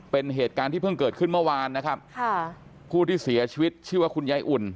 เป็นเหตุการณ์ที่เพิ่งเกิดขึ้นเมื่อวานนะครับค่ะผู้ที่เสียชีวิตชื่อว่าคุณยายอุ่น